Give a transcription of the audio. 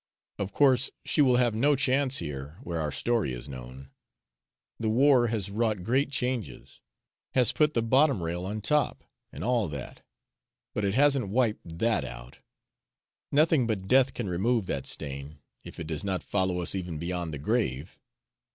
Of course she will have no chance here, where our story is known. The war has wrought great changes, has put the bottom rail on top, and all that but it hasn't wiped THAT out. Nothing but death can remove that stain, if it does not follow us even beyond the grave.